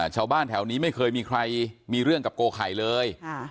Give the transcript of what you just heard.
ชาวบ้านแถวนี้ไม่เคยมีใครมีเรื่องกับโกไข่เลย